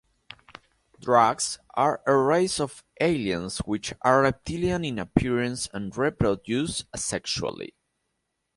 Dracs are a race of aliens which are reptilian in appearance and reproduce asexually.